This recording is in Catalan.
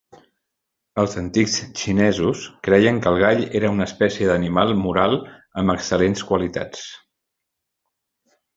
Els antics xinesos creien que el gall era una espècie d'animal moral amb excel·lents qualitats.